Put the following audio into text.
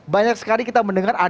banyak sekali kita mengetahui itu